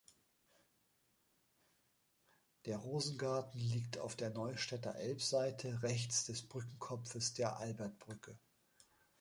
Der Rosengarten liegt auf der Neustädter Elbseite rechts des Brückenkopfes der Albertbrücke.